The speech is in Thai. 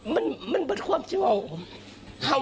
มันมันบทความสิว่าว